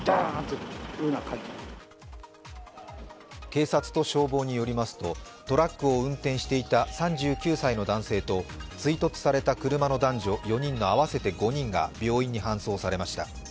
警察と消防によりますとトラックを運転していた３９歳の男性と追突された車の男女合わせて４人が病院に搬送されました。